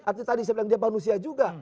artinya tadi saya bilang dia manusia juga